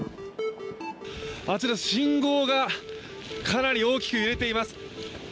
あちら、信号がかなり大きく揺れています。